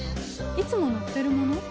いつも載ってるもの？